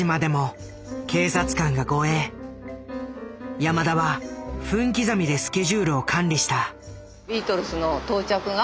山田は分刻みでスケジュールを管理した。